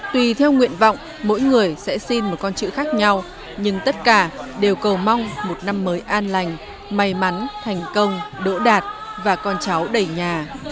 tùy theo nguyện vọng mỗi người sẽ xin một con chữ khác nhau nhưng tất cả đều cầu mong một năm mới an lành may mắn thành công đỗ đạt và con cháu đầy nhà